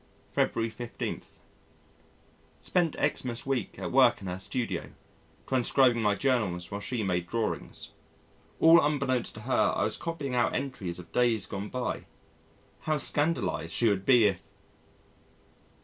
February 15. Spent Xmas week at work in her studio, transcribing my Journals while she made drawings. All unbeknown to her I was copying out entries of days gone by how scandalised she would be if...!